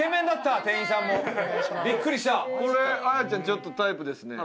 ちょっとタイプですね。